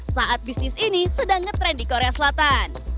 saat bisnis ini sedang ngetrend di korea selatan